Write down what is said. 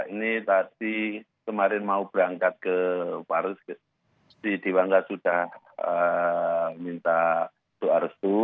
ini tadi kemarin mau berangkat ke paris si dewangga sudah minta suarstu